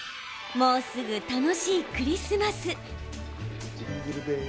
もうすぐ、楽しいクリスマス。